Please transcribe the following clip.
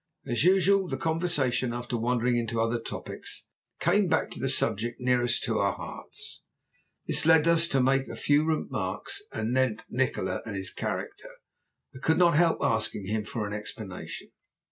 As usual the conversation, after wandering into other topics, came back to the subject nearest our hearts. This led us to make a few remarks anent Nikola and his character. I could not help asking him for an explanation.